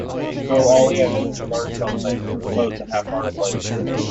Go all in when you learn something, as opposed to half-heartedly.